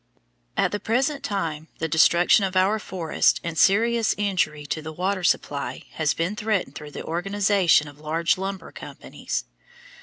At the present time the destruction of our forests and serious injury to the water supply has been threatened through the organization of large lumber companies.